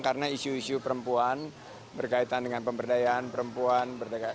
karena isu isu perempuan berkaitan dengan pemberdayaan perempuan